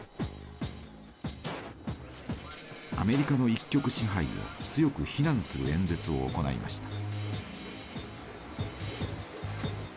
アメリカの一極支配を強く非難する演説を行いました。